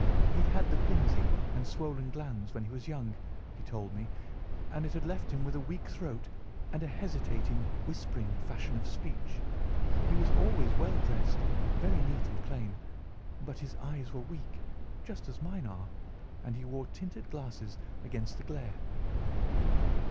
He'd had the quinsy and swollen glands when he was young, he told me, and it had left him with a weak throat, and a hesitating, whispering fashion of speech. He was always well dressed, very neat and plain, but his eyes were weak, just as mine are, and he wore tinted glasses against the glare."